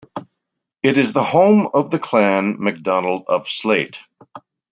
It is the home of the clan "MacDonald of Sleat".